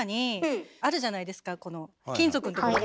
あるじゃないですか金属の所。